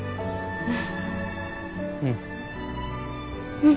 うん。